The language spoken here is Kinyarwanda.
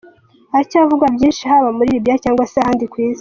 Aracyavugwaho byinshi haba muri Libiya cyangwa se n’ahandi ku Isi.